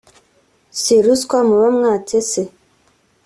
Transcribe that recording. Si ruswa muba mwatse se